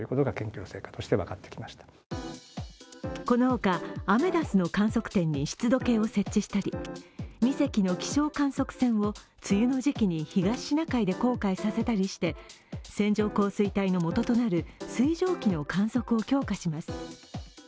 このほか、アメダスの観測点に湿度計を設置したり２隻の気象観測船を梅雨の時期に東シナ海で航海させたりして線状降水帯のもととなる水蒸気の観測を強化します。